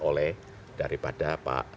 oleh daripada pak